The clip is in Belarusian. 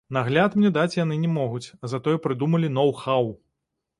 Нагляд мне даць яны не могуць, затое прыдумалі ноу-хау!